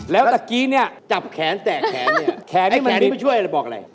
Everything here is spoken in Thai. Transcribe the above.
แล้วตะกี้เนี่ยจับแขนแตกแขนเนี่ยแขนที่แขนนี้ไปช่วยอะไรบอกอะไร